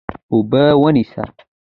اوبه ونیسه.